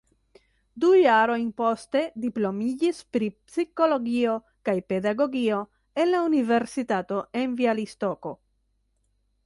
Du jarojn poste diplomiĝis pri psikologio kaj pedagogio en la Universitato en Bjalistoko.